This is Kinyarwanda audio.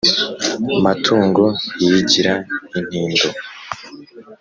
matungo iyigira intindo.